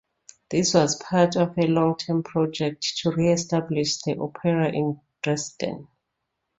This was a part of a long-term project to re-establish the opera in Dresden.